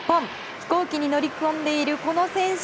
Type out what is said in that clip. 飛行機に乗り込んでいるこの選手